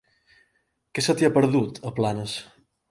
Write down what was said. Què se t'hi ha perdut, a Planes?